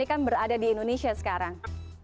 ini kan berada di indonesia sekarang